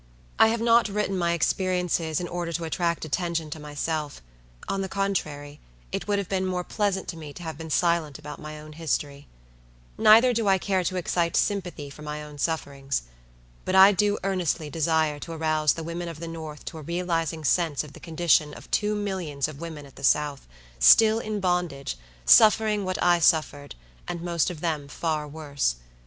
I have not written my experiences in order to attract attention to myself; on the contrary, it would have been more pleasant to me to have been silent about my own history. Neither do I care to excite sympathy for my own sufferings. But I do earnestly desire to arouse the women of the North to a realizing sense of the condition of two millions of women at the South, still in bondage, suffering what I suffered, and most of them far worse.